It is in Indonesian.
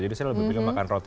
jadi saya lebih pilih makan roti